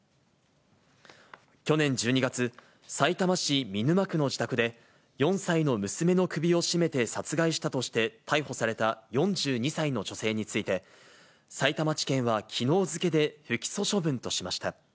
去年１２月、さいたま市見沼区の自宅で、４歳の娘の首を絞めて殺害したとして逮捕された４２歳の女性について、さいたま地検はきのう付けで不起訴処分としました。